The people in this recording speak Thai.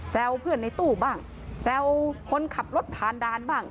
เพื่อนในตู้บ้างแซวคนขับรถผ่านด่านบ้าง